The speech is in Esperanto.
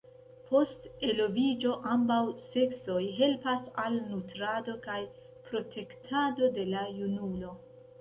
Post eloviĝo, ambaŭ seksoj helpas al nutrado kaj protektado de la junulo.